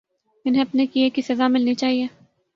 انہیں اپنے کیے کی سزا ملنی چاہیے۔